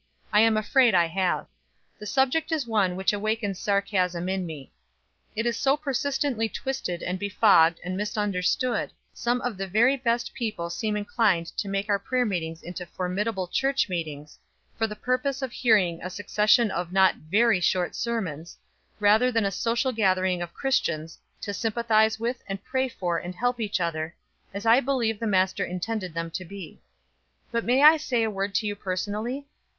I am afraid I have. The subject is one which awakens sarcasm in me. It is so persistently twisted and befogged and misunderstood, some of the very best people seem inclined to make our prayer meetings into formidable church meetings, for the purpose of hearing a succession of not very short sermons, rather than a social gathering of Christians, to sympathize with, and pray for and help each other, as I believe the Master intended them to be. But may I say a word to you personally?